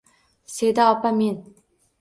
Seda opa, men…